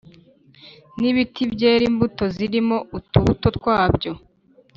n’ibiti byera imbuto zirimo utubuto twabyo